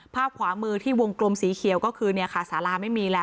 ภาพขวามือที่วงกลมสีเขียวก็คือเนี่ยค่ะสาราไม่มีแล้ว